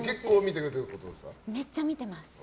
めっちゃ見てます。